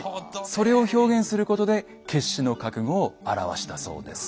それを表現することで決死の覚悟を表したそうです。